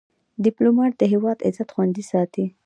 ډيپلومات د هیواد عزت خوندي ساتي.